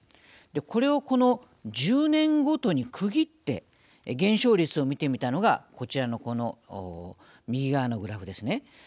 これをこの１０年ごとに区切って減少率を見てみたのがこちらのこの右側のグラフですね。